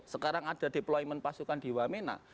sekarang ada deployment pasukan di wamena